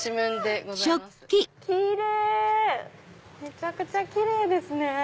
めちゃくちゃキレイですね！